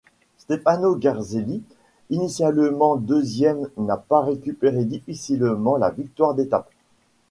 Stefano Garzelli initialement deuxième, n'a pas récupéré difficilement la victoire d'étape.